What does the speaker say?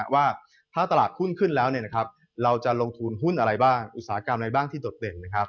ว่าถ้าตลาดหุ้นขึ้นแล้วเราจะลงทุนหุ้นอะไรบ้างอุตสาหกรรมอะไรบ้างที่โดดเด่น